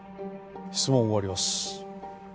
質問を終わります。